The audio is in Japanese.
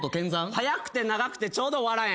早くて長くてちょうど笑えん。